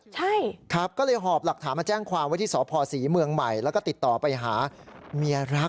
ใช่ถากก็เลยหอกหามาแจ้งความว่าที่สหพสิเมืองใหม่แล้วก็ติดต่อไปหาเมียรัก